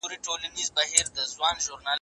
زه به اوږده موده د سبا لپاره د يادښتونه ترتيب کړم!